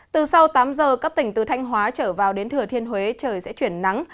từ sau tám giờ các tỉnh từ thanh hóa trở vào đến thừa thiên huế trời sẽ chuyển nắng